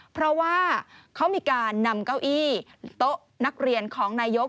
เพราะว่าเขามีการนำเก้าอี้โต๊ะนักเรียนของนายก